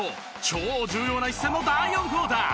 超重要な一戦の第４クオーター。